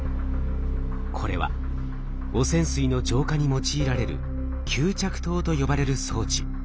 これは汚染水の浄化に用いられる吸着塔と呼ばれる装置。